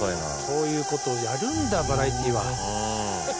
そういう事をやるんだバラエティーは。